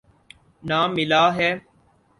نہ ملاح ہے۔